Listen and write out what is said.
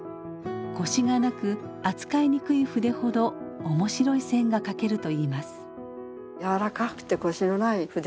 腰がなく扱いにくい筆ほど面白い線が描けるといいます。